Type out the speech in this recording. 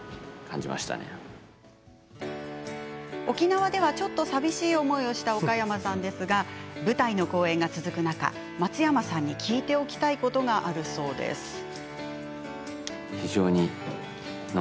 沖縄ではちょっと寂しい思いをした岡山さんですが舞台の公演が続く中松山さんに聞いておきたいことがあるそうです。